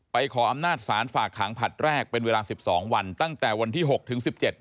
ไปขออำนาจสารฝากขังพัดแรกเป็นเวลาสิบสองวันตั้งแต่วันที่หกถึงสิบเจ็ด